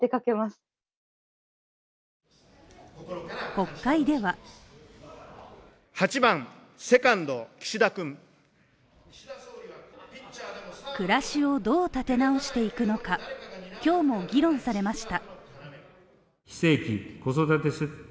国会では暮らしをどう立て直していくのか、今日も議論されました。